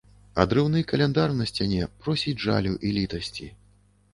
Адрыўны каляндар на сцяне просіць жалю і літасці.